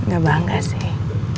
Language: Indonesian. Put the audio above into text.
gak bangga sih